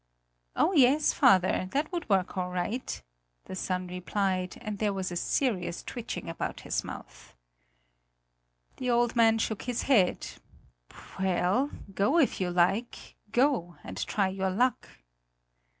"Oh, yes, father, that would work all right," the son replied, and there was a serious twitching about his mouth. The old man shook his head: "Well, go if you like; go and try your luck!"